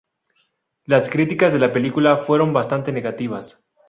Las críticas de la película fueron bastante negativas.